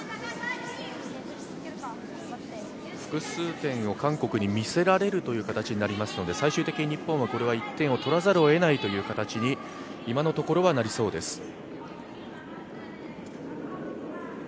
複数点を韓国に見せられるという形になりますので最終的に日本は１点を取らざるをえないという形に今のところはなりそうです。